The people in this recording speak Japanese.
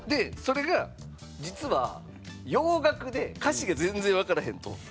それが実は洋楽で歌詞が全然わからへんと。